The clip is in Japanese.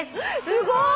すごーい！